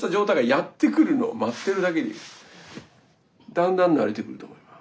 だんだん慣れてくると思います。